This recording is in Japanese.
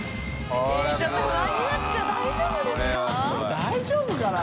大丈夫かな？